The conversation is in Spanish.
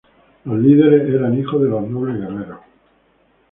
Los líderes eran los hijos de los nobles guerreros.